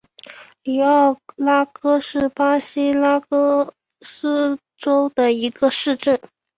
里奥拉戈是巴西阿拉戈斯州的一个市镇。